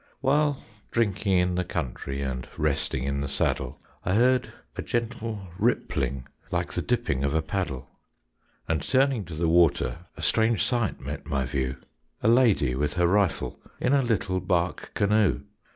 While drinking in the country And resting in the saddle, I heard a gentle rippling Like the dipping of a paddle, And turning to the water, A strange sight met my view, A lady with her rifle In a little bark canoe.